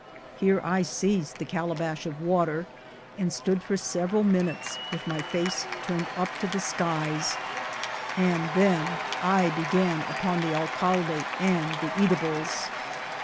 Here I seized the calabash of water, and stood for several minutes with my face turned up to the skies, and then I began upon the alcalde and the eata bles.